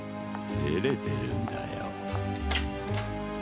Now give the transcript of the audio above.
てれてるんだよ。